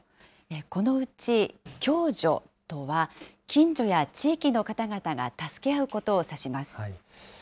このうち、共助とは、近所や地域の方々が助け合うことを指します。